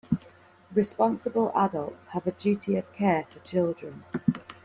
Responsible adults have a duty of care to children.